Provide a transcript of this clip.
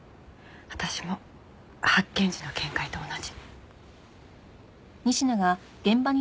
私も発見時の見解と同じ。